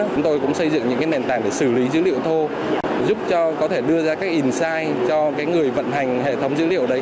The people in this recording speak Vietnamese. chúng tôi cũng xây dựng những cái nền tảng để xử lý dữ liệu thô giúp cho có thể đưa ra các insight cho cái người vận hành hệ thống dữ liệu đấy